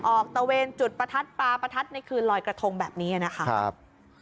ตะเวนจุดประทัดปลาประทัดในคืนลอยกระทงแบบนี้นะครับ